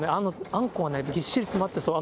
あんこがぎっしり詰まってそう。